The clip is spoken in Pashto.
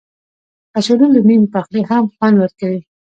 کچالو له نیم پخلي هم خوند ورکوي